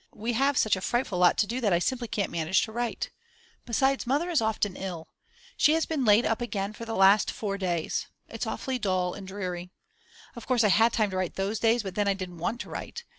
We have such a frightful lot to do that I simply can't manage to write. Besides Mother is often ill. She has been laid up again for the last 4 days. It's awfully dull and dreary. Of course I had time to write those days, but then I didn't want to write.